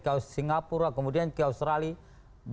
ke singapura kemudian ke australia